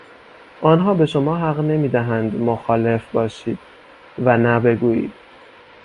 آنها به شما حق نمی دهند مخالف باشید ،و نه بگویید.